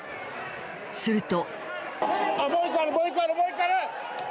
すると。